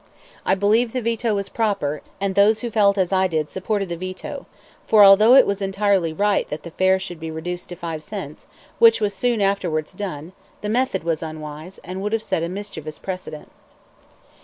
I believe the veto was proper, and those who felt as I did supported the veto; for although it was entirely right that the fare should be reduced to five cents, which was soon afterwards done, the method was unwise, and would have set a mischievous precedent.